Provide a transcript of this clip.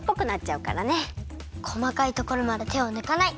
こまかいところまでてをぬかない！